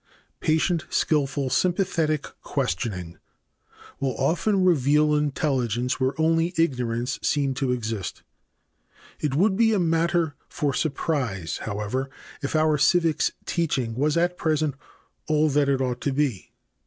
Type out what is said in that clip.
Patient, skillful, sympathetic questioning will often reveal intelligence where only ignorance seemed to exist. It would be a matter for surprise, however, if our civics teaching was at present all that it ought to be.